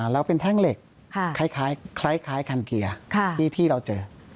แล้วเป็นแท่งเหล็กคล้ายคันเกียร์ที่เราเจอ